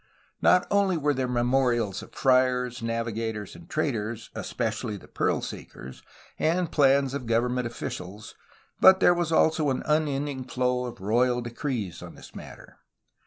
Not only were there memorials of friars, navigators, and traders (especially the pearl seekers), and plans of government officials, but there was also an unending flow of royal decrees on this matter.